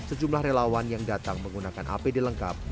sejumlah relawan yang datang menggunakan apd lengkap